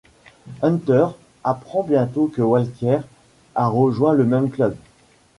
Hunter apprend bientôt que Walker a rejoint le même club.